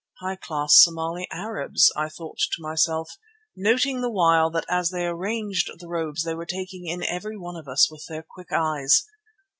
"High class Somali Arabs," thought I to myself, noting the while that as they arranged the robes they were taking in every one of us with their quick eyes.